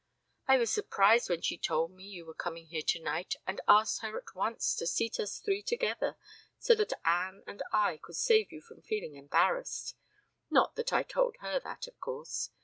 I was surprised when she told me you were coming here tonight, and asked her at once to seat us three together so that Anne and I could save you from feeling embarrassed not that I told her that, of course.